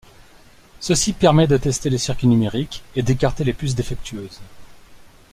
Ceci permet de tester les circuits numériques et d'écarter les puces défectueuses.